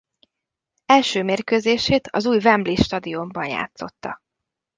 Első mérkőzését az új Wembley stadionban játszotta.